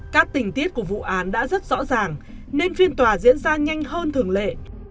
các tình tiết của vụ án đã rất rõ ràng nên phiên tòa diễn ra nhanh hơn thường lệ